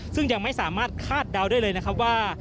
ซึ่งยังไม่สามารถคาดเดาได้เลยนะครับว่า